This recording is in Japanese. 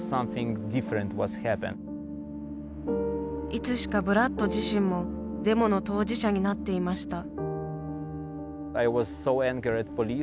いつしかブラッド自身もデモの当事者になっていました。